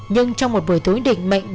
nhưng trong một buổi tối định mệnh